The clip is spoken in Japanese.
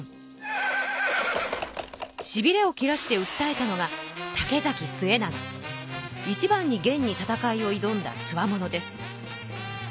しびれを切らしてうったえたのがいちばんに元に戦いをいどんだつわものです。